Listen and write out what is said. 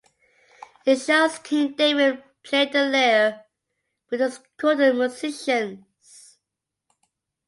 It shows King David playing the lyre with his court musicians.